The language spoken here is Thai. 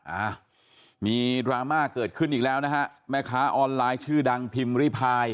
อ้าวมีดราม่าเกิดขึ้นอีกแล้วนะฮะแม่ค้าออนไลน์ชื่อดังพิมพ์ริพาย